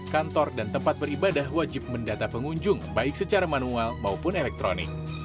kantor dan tempat beribadah wajib mendata pengunjung baik secara manual maupun elektronik